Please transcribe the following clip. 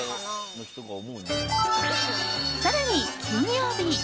更に金曜日。